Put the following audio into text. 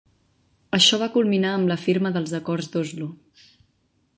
Això va culminar amb la firma dels Acords d'Oslo.